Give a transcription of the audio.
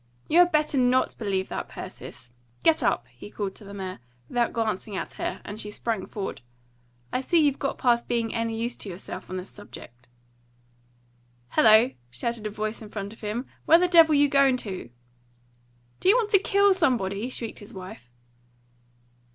"You had better NOT believe that, Persis! Get up!" he called to the mare, without glancing at her, and she sprang forward. "I see you've got past being any use to yourself on this subject." "Hello!" shouted a voice in front of him. "Where the devil you goin' to?" "Do you want to KILL somebody!" shrieked his wife.